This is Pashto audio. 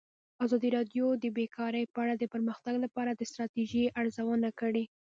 ازادي راډیو د بیکاري په اړه د پرمختګ لپاره د ستراتیژۍ ارزونه کړې.